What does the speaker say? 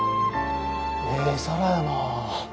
ええ皿やな。